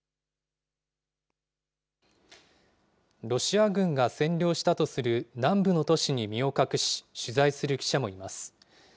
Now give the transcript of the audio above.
ロシア軍が占領したとする南部の都市に身を隠し、取材する記者もいます。